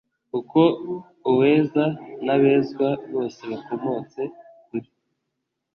kuko uweza n’abezwa bose bakomotse kuri